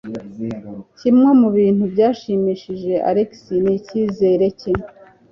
Kimwe mu bintu byashimishije Alex ni icyizere cye.